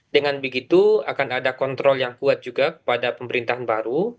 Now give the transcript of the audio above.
dengan begitu akan ada kontrol yang kuat juga kepada pemerintahan baru